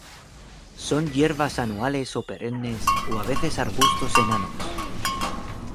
Son hierbas anuales o perennes o a veces arbustos enanos.